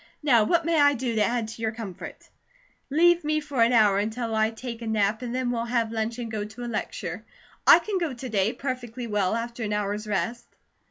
Now what may I do to add to your comfort?" "Leave me for an hour until I take a nap, and then we'll have lunch and go to a lecture. I can go to day, perfectly well, after an hour's rest."